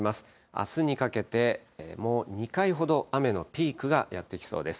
あすにかけてもう２回ほど、雨のピークがやって来そうです。